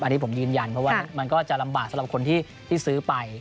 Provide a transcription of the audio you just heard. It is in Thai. อันนี้ผมยืนยันเพราะว่ามันก็จะลำบากสำหรับคนที่ซื้อไป